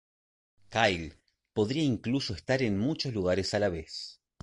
Kyle podría incluso estar en muchos lugares a la vez.